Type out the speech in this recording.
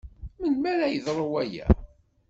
Melmi ara yeḍru waya?